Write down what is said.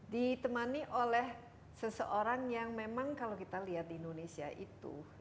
ditemani oleh seseorang yang memang kalau kita lihat di indonesia itu